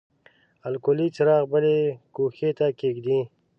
الکولي څراغ بلې ګوښې ته کیږدئ.